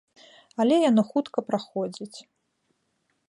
Але яно хутка праходзіць.